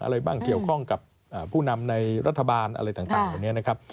อะไรบ้างเกี่ยวข้องกับผู้นำในรัฐบาลอะไรต่างเหล่านี้นะครับ